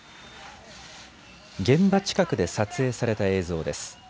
現場近くで撮影された映像です。